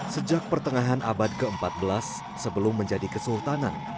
sejak pertengahan abad ke empat belas sebelum menjadi kesultanan